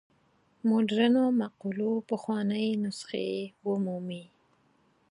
مډرنو مقولو پخوانۍ نسخې ومومي.